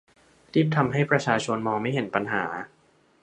รีบทำให้ประชาชนมองไม่เห็นปัญหา